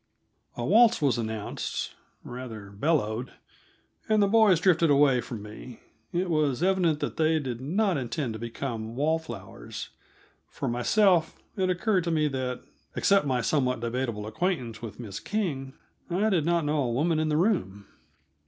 A waltz was announced rather, bellowed and the boys drifted away from me. It was evident that they did not intend to become wall flowers. For myself, it occurred to me that, except my somewhat debatable acquaintance with Miss King, I did not know a woman in the room.